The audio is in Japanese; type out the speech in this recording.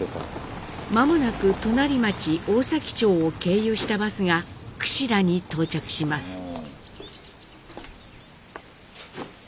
間もなく隣町大崎町を経由したバスが串良に到着します。